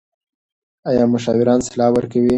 ایا مشاوران سلا ورکوي؟